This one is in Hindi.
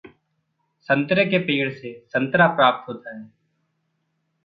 संतरे के पेड़ से संतरा प्राप्त होता है।